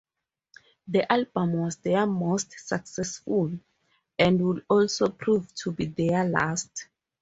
The album was their most successful, and would also prove to be their last.